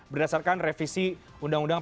berdasarkan revisi undang undang